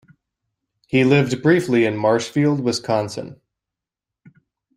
He lived briefly in Marshfield, Wisconsin.